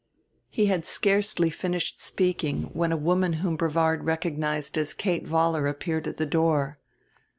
He had scarcely finished speaking when a woman whom Brevard recognized as Kate Vollar appeared at the door.